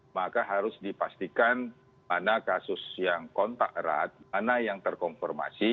maka harus dipastikan mana kasus yang kontak erat mana yang terkonfirmasi